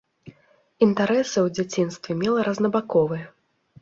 Інтарэсы ў дзяцінстве мела рознабаковыя.